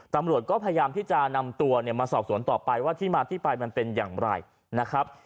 ตำรวจก็พยายามที่จะนำตัวเนี่ยมาสอบสวนต่อไปว่าที่มาที่ไปมันเป็นอย่างไรนะครับ